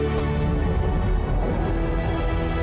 pokoknya kamu udah tahu